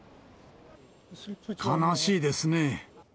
悲しいですね。